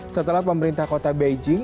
setelah pemerintah kota beijing